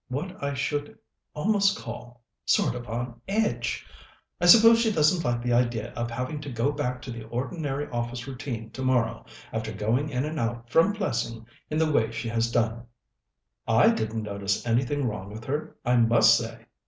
What I should almost call sort of on edge. I suppose she doesn't like the idea of having to go back to the ordinary office routine tomorrow, after going in and out from Plessing in the way she has done." "I didn't notice anything wrong with her, I must say!"